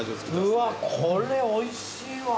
うわこれおいしいわ。